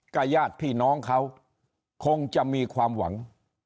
ญาติพี่น้องเขาคงจะมีความหวัง